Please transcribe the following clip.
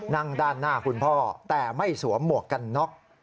นั่งด้านหน้าของขุนพ่อแต่ไม่สวมมวกกันต๊อบ